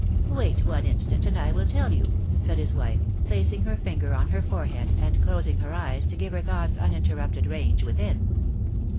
" Wait one instant, and I will tell you," said his wife, placing her finger on her forehead and closing her eyes to give her thoughts uninterrupted range within.